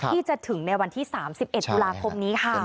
ที่จะถึงในวันที่๓๑บนี้ค่ะ